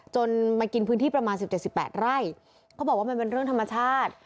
มากินพื้นที่ประมาณ๑๗๑๘ไร่เขาบอกว่ามันเป็นเรื่องธรรมชาติ